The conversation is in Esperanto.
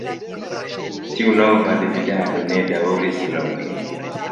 Tiu nova dividado ne daŭris longe.